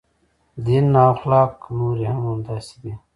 دین او اخلاق نورې هم همداسې دي.